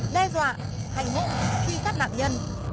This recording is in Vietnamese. đe dọa hành hỗn truy sát nạn nhân